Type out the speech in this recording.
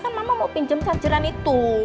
kan mama mau pinjem sarjeran itu